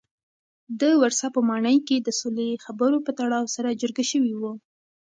د ورسا په ماڼۍ کې د سولې خبرو په تړاو سره جرګه شوي وو.